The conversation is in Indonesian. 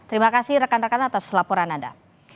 terima kasih rekan rekan atas laporan anda